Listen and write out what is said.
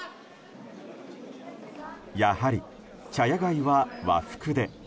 やはり、茶屋街は和服で。